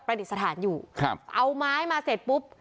ดิษฐานอยู่ครับเอาไม้มาเสร็จปุ๊บ